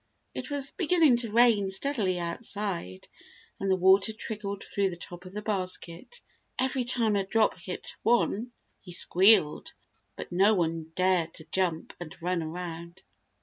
It was beginning to rain steadily outside, and the water trickled through the top of the basket. Every time a drop hit one, he squealed, but no one dared to jump and run around.